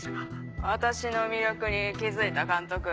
私の魅力に気付いた監督